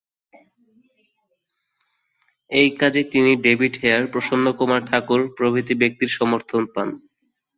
এই কাজে তিনি ডেভিড হেয়ার, প্রসন্নকুমার ঠাকুর প্রভৃতি ব্যক্তির সমর্থন পান।